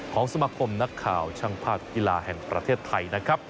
ของสมาคมนักข่าวช่างภาพกีฬาแห่งประเทศไทยนะครับ